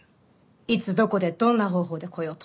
いつどこでどんな方法でこようと。